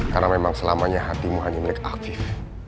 karena memang selamanya hatimu hanya milik afif